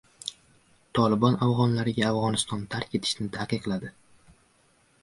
"Tolibon" afg‘onlarga Afg‘onistonni tark etishni taqiqladi